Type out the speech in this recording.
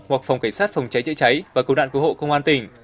hoặc phòng cảnh sát phòng cháy cháy cháy và cố đạn cố hộ công an tỉnh